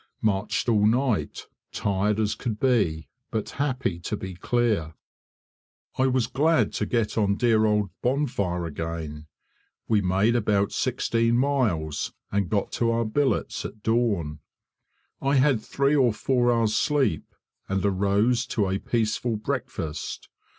Marched all night, tired as could be, but happy to be clear. I was glad to get on dear old Bonfire again. We made about sixteen miles, and got to our billets at dawn. I had three or four hours' sleep, and arose to a peaceful breakfast.